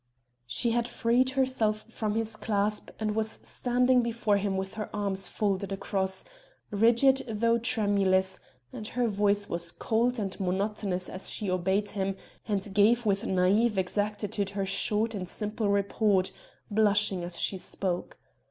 She had freed herself from his clasp and was standing before him with her arms folded across rigid though tremulous and her voice was cold and monotonous as she obeyed him and gave with naïve exactitude her short and simple report, blushing as she spoke.